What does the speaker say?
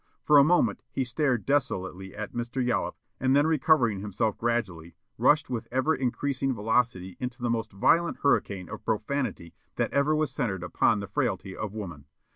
For a moment he stared desolately at Mr. Yollop and then recovering himself gradually rushed with ever increasing velocity into the most violent hurricane of profanity that ever was centered upon the frailty of woman.